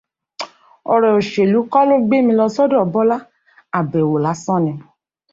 Ọ̀rọ̀ òṣèlú kọ́ ló gbé mi lọ sọ́dọ̀ Bọ́lá, àbẹ̀wó lásán ni.